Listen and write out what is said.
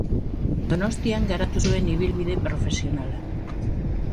Donostian garatu zuen ibilbide profesionala.